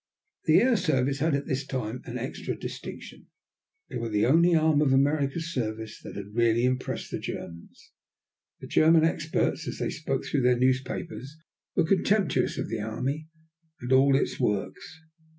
The air service had at this time an extra distinction. They were the only arm of America's service that had really impressed the Germans. The German experts, as they spoke through their newspapers, were contemptuous of the army and all its works.